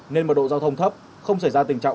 nên mật độ giao thông thấp không xảy ra tình trạng